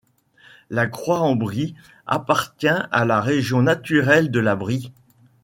La Croix-en-Brie appartient à la région naturelle de la Brie.